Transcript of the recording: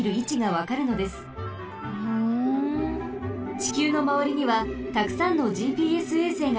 ちきゅうのまわりにはたくさんのＧＰＳ衛星があります。